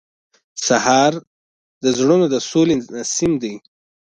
سهار د زړونو د سولې نسیم دی.